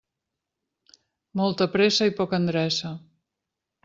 Molta pressa i poca endreça.